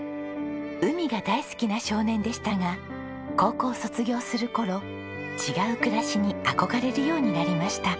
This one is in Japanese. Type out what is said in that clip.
海が大好きな少年でしたが高校を卒業する頃違う暮らしに憧れるようになりました。